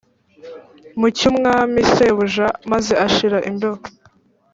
mu cy'umwami, shebuja, maze ashira imbeho.